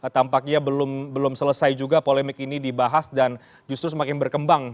tampaknya belum selesai juga polemik ini dibahas dan justru semakin berkembang